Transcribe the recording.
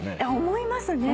思いますね。